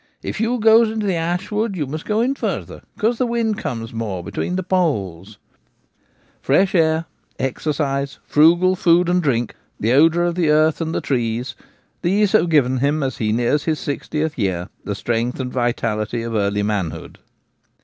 If you goes into the ash wood you must go in farther, because the wind comes more between the poles/ Fresh air, exercise, frugal food and drink, the odour of the earth and the trees — these have given him, as he nears his sixtieth year, the strength and vitality of early manhood.